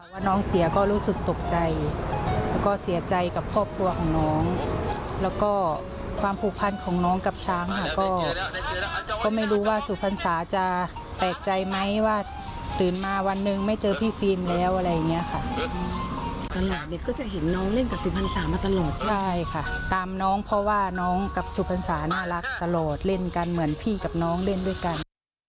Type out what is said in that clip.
เพราะว่าน้องกับสุพรรณสาน่ารักตลอดเล่นกันเหมือนพี่กับน้องเล่นด้วยกัน